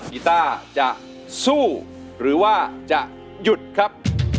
กีต้าจะสู้หรือว่าจะหยุดครับ